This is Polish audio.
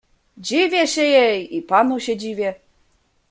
"Dziwię się jej i panu się dziwię."